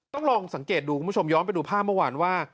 ต้องลองสังเกตดูคุณผู้ชมย้อนไปดูภาพเมื่อวานว่า